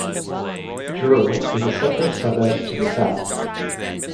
Dural is a separate suburb to the south.